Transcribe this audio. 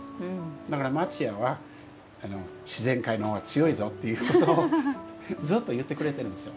だから町家は自然界のほうが強いぞということをずっと言ってくれているんですよ。